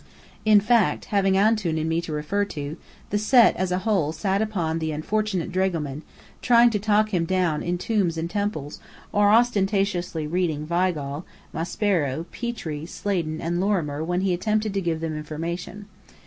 In fact, having Antoun and me to refer to, the Set as a whole sat upon the unfortunate dragoman, trying to talk him down in tombs and temples, or ostentatiously reading Weigall, Maspero, Petrie, Sladen, and Lorimer when he attempted to give them information.